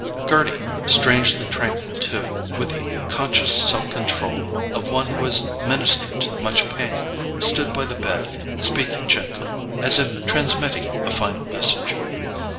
Gerty, strangely tranquil too, with the conscious self control of one who has ministered to much pain, stood by the bed, speaking gently, as if transmitting a final message.